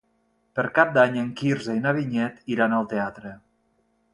Per Cap d'Any en Quirze i na Vinyet iran al teatre.